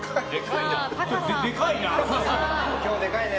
でかいね。